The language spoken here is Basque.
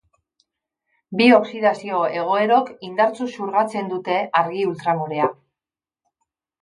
Bi oxidazio-egoerok indartsu xurgatzen dute argi ultramorea.